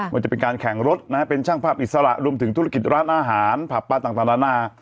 ว่าจะเป็นการแข่งรถนะฮะเป็นช่างภาพอิสระรวมถึงธุรกิจร้านอาหารผับปลาต่างนานา